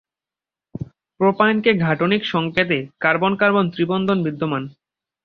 প্রোপাইনের গাঠনিক সংকেতে কার্বন-কার্বন ত্রিবন্ধন বিদ্যমান।